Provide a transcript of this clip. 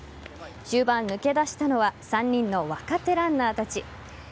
終盤、抜け出したのは３人の若手ランナーたち。